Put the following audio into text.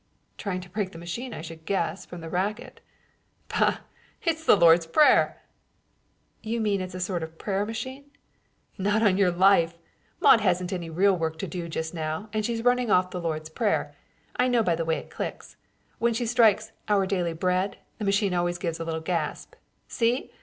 "Trying to break the machine I should guess, from the racket." "Bah! It's the Lord's Prayer." "You mean it's a sort of prayer machine." "Not on your life. Maude hasn't any real work to do just now and she's running off the Lord's Prayer. I know by the way it clicks. When she strikes 'our daily bread' the machine always gives a little gasp. See?